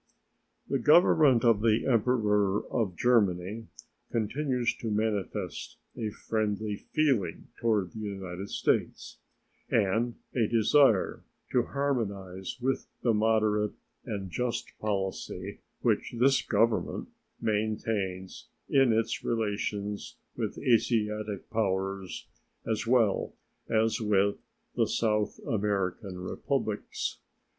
The Government of the Emperor of Germany continues to manifest a friendly feeling toward the United States, and a desire to harmonize with the moderate and just policy which this Government maintains in its relations with Asiatic powers, as well as with the South American Republics.